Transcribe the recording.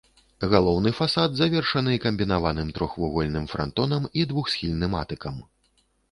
Галоўны фасад завершаны камбінаваным трохвугольным франтонам і двухсхільным атыкам.